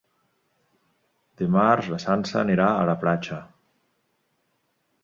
Dimarts na Sança anirà a la platja.